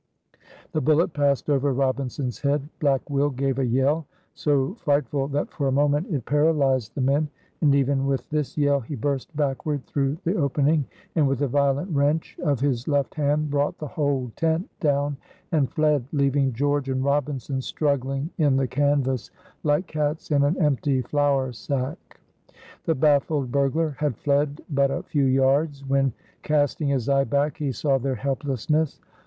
The bullet passed over Robinson's head. Black Will gave a yell so frightful that for a moment it paralyzed the men, and even with this yell he burst backward through the opening, and with a violent wrench of his left hand brought the whole tent down and fled, leaving George and Robinson struggling in the canvas like cats in an empty flour sack. The baffled burglar had fled but a few yards, when, casting his eye back, he saw their helplessness.